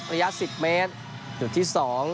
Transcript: ระยะ๑๐เมตรจุดที่๒